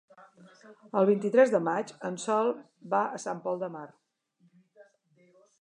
El vint-i-tres de maig en Sol va a Sant Pol de Mar.